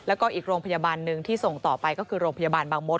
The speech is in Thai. แล้วก็อีกโรงพยาบาลหนึ่งที่ส่งต่อไปก็คือโรงพยาบาลบางมศ